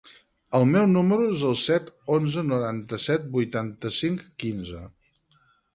El meu número es el set, onze, noranta-set, vuitanta-cinc, quinze.